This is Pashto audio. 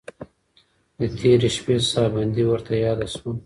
د تېرې شپې ساه بندي ورته یاده شوه.